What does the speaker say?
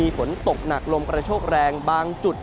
ฝนตกหนักลมกระโชกแรงบางจุด